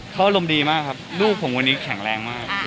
เขาอารมณ์ดีมากครับลูกผมวันนี้แข็งแรงมาก